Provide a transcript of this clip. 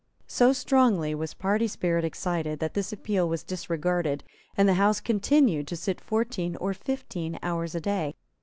So strongly was party spirit excited that this appeal was disregarded, and the House continued to sit fourteen or fifteen hours a day.